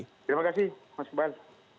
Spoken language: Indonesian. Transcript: terima kasih mas kepal